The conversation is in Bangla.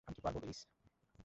আমি কি পারব লুইস?